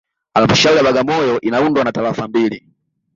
Halmashauri ya Bagamoyo inaundwa na tarafa mbili